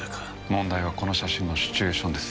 問題はこの写真のシチュエーションです。